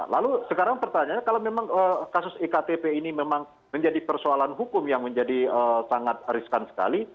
lalu sekarang pertanyaannya kalau memang kasus ektp ini memang menjadi persoalan hukum yang menjadi sangat riskan sekali